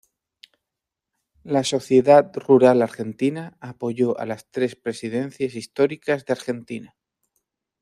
La Sociedad Rural Argentina apoyó a las tres Presidencias históricas de Argentina.